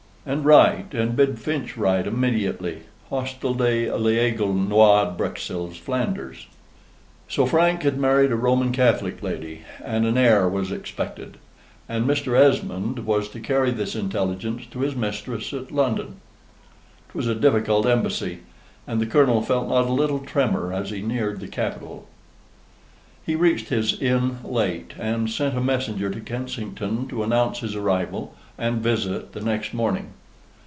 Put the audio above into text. And write, and bid Finch write AMEDIATELY. Hostel de l'Aigle Noire, Bruxelles, Flanders." So Frank had married a Roman Catholic lady, and an heir was expected, and Mr. Esmond was to carry this intelligence to his mistress at London. 'Twas a difficult embassy; and the Colonel felt not a little tremor as he neared the capital. He reached his inn late, and sent a messenger to Kensington to announce his arrival and visit the next morning.